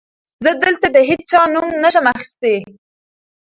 زه دلته د هېچا نوم نه شم اخيستی.